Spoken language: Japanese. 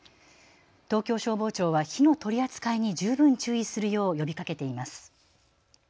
東京消防庁は火の取り扱いに十分注意するよう呼びかけています。